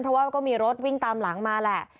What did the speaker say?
เพราะว่ามันก็มีรถวิ่งตามหลังมาแหละ